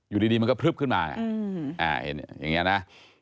อยู่ดีมันก็พลึบขึ้นมาอย่างนี้นะ